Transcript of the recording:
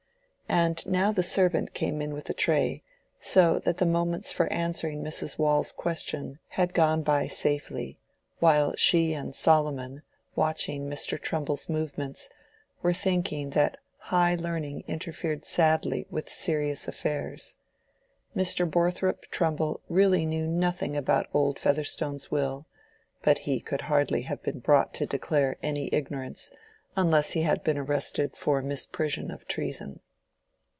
And now the servant came in with the tray, so that the moments for answering Mrs. Waule's question had gone by safely, while she and Solomon, watching Mr. Trumbull's movements, were thinking that high learning interfered sadly with serious affairs. Mr. Borthrop Trumbull really knew nothing about old Featherstone's will; but he could hardly have been brought to declare any ignorance unless he had been arrested for misprision of treason.